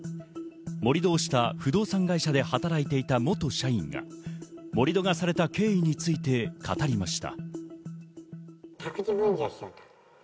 盛り土をした不動産会社で働いていた元社員が盛り土がされた経緯について語りました。